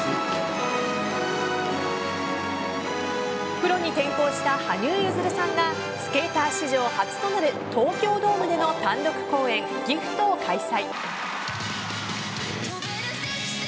プロに転向した羽生結弦さんがスケーター史上初となる東京ドームでの単独公演「ＧＩＦＴ」を開催。